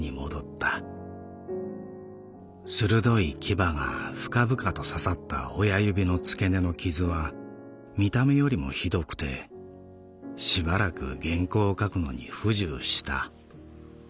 鋭い牙が深々と刺さった親指の付け根の傷は見た目よりも酷くてしばらく原稿を書くのに不自由した。